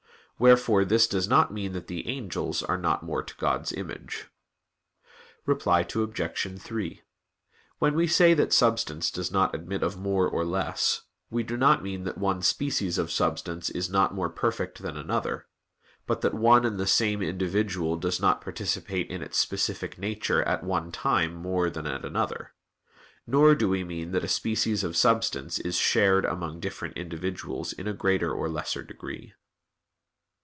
Wherefore this does not mean that the angels are not more to God's image. Reply Obj. 3: When we say that substance does not admit of more or less, we do not mean that one species of substance is not more perfect than another; but that one and the same individual does not participate in its specific nature at one time more than at another; nor do we mean that a species of substance is shared among different individuals in a greater or lesser degree.